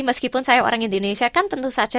meskipun saya orang indonesia kan tentu saja